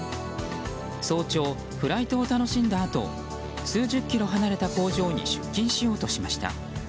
早朝、フライトを楽しんだあと数十キロ離れた工場に出勤しようとしました。